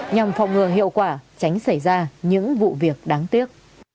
nhằm phòng ngừa hiệu quả tránh xảy ra những vụ việc đáng tiếc